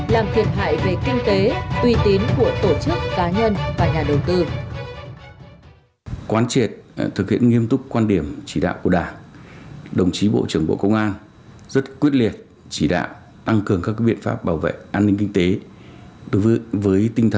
làm thiệt hại về kinh tế uy tín của tổ chức cá nhân và nhà đầu tư